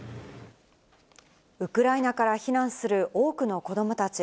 ウクライナから避難する多くの子どもたち。